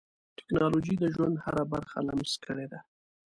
ټکنالوجي د ژوند هره برخه لمس کړې ده.